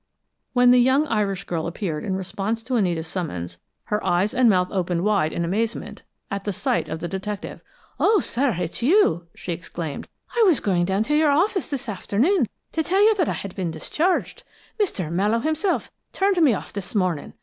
When the young Irish girl appeared in response to Anita's summons, her eyes and mouth opened wide in amazement at sight of the detective. "Oh, sir, it's you!" she exclaimed. "I was going down to your office this afternoon, to tell you that I had been discharged. Mr. Mallowe himself turned me off this morning.